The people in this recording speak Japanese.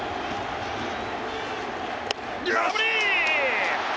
空振り！